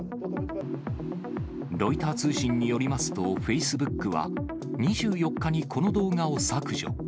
ロイター通信によりますと、フェイスブックは、２４日にこの動画を削除。